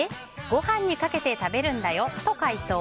ご飯にかけて食べるんだよと回答。